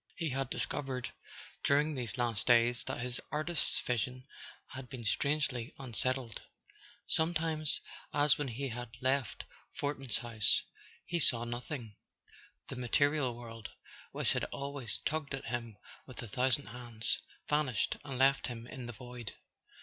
He had discovered, during these last days, that his artist's vision had been strangely unsettled. Sometimes, as when he had left Fortin's house, he saw nothing: the material world, which had always tugged at him with a thousand hands, vanished and left him in the void.